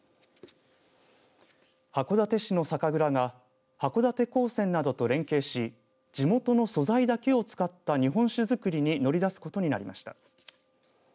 函館市の酒蔵が函館高専などと連携し地元の素材だけを使った日本酒造りに乗り出すことになりました。